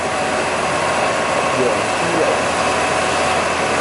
皇珠路